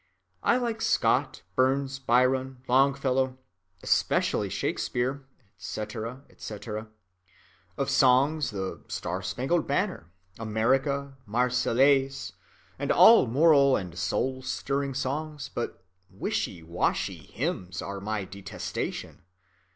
I like Scott, Burns, Byron, Longfellow, especially Shakespeare, etc., etc. Of songs, the Star‐spangled Banner, America, Marseillaise, and all moral and soul‐stirring songs, but wishy‐washy hymns are my detestation.